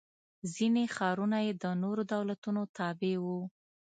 ځیني ښارونه یې د نورو دولتونو تابع و.